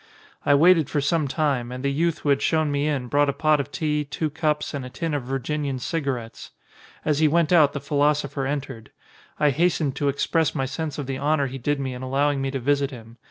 I waited for some time and the youth who had shown me in brought a pot of tea, two cups, and a tin of Virginian cigarettes. As he went out the philosopher entered. I hastened to express my sense of the honour he did me in allowing me to visit him.